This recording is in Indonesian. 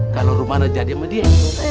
kalau rumahnya jadi sama dia